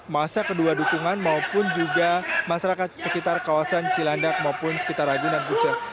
masa kedua dukungan maupun juga masyarakat sekitar kawasan cilandak maupun sekitar ragunan punca